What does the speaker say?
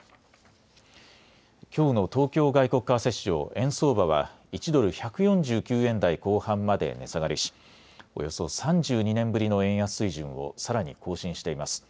きょうの東京外国為替市場、円相場は１ドル１４９円台後半まで値下がりしおよそ３２年ぶりの円安水準をさらに更新しています。